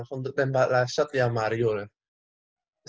untuk tembak last shot ya mario lah